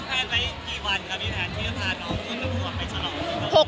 มีใครปิดปาก